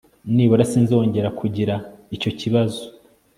Nibura sinzongera kugira icyo kibazo